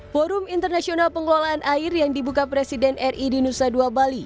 forum internasional pengelolaan air yang dibuka presiden ri di nusa dua bali